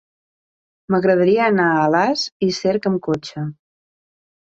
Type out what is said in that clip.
M'agradaria anar a Alàs i Cerc amb cotxe.